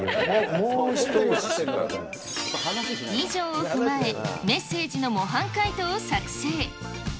以上を踏まえ、メッセージの模範解答を作成。